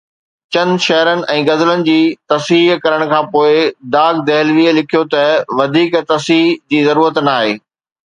چند شعرن ۽ غزلن جي تصحيح ڪرڻ کان پوءِ داغ دهلويءَ لکيو ته وڌيڪ تصحيح جي ضرورت ناهي.